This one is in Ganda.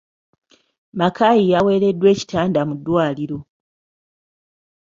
Makayi yaweereddwa ekitanda mu ddwaliro.